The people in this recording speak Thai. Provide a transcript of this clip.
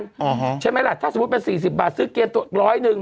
อ๋อฮะใช่ไหมล่ะถ้าสมมุติเป็นสี่สิบบาทซื้อเกณฑ์ตัวร้อยหนึ่ง